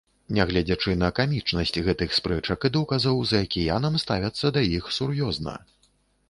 Нягледзячы на камічнасць гэтых спрэчак і доказаў, за акіянам ставяцца да іх сур'ёзна.